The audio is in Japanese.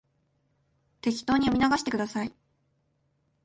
適当に読み流してください